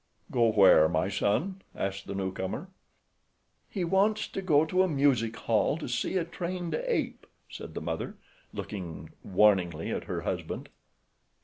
"Go where, my son?" asked the newcomer. "He wants to go to a music hall to see a trained ape," said the mother, looking warningly at her husband.